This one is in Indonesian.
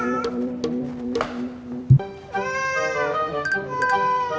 heru agung woodruff masih teradi tapi tidak ada tempahan